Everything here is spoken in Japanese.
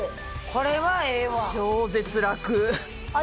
これはええわ。